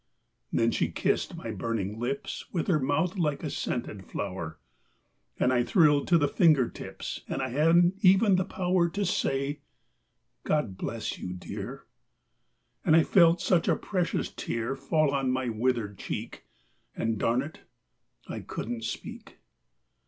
Then she kissed my burning lips With her mouth like a scented flower, And I thrilled to the finger tips, And I hadn't even the power To say: "God bless you, dear!" And I felt such a precious tear Fall on my withered cheek, And darn it! I couldn't speak.